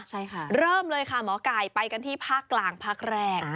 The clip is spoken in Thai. ใช่ค่ะเริ่มเลยค่ะหมอไก่ไปกันที่ภาคกลางภาคแรก